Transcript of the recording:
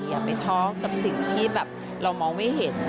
อย่าไปท้อกับสิ่งที่แบบเรามองไม่เห็น